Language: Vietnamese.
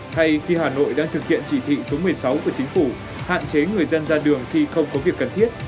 thay khi hà nội đang thực hiện chỉ thị số một mươi sáu của chính phủ hạn chế người dân ra đường khi không có việc cần thiết